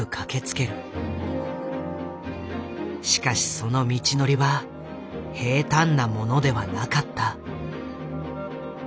しかしその道のりは平たんなものではなかった。